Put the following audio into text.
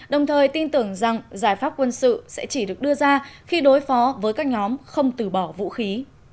đồng thời tin tưởng rằng giải pháp quân sự sẽ chỉ được đưa ra khi đối phó với các nhóm không từ bỏ vũ khí